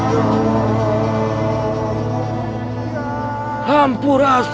kau harus berhenti